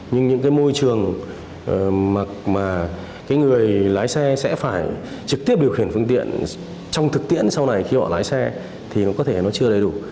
nhưng những cái môi trường mà cái người lái xe sẽ phải trực tiếp điều khiển phương tiện trong thực tiễn sau này khi họ lái xe thì nó có thể nó chưa đầy đủ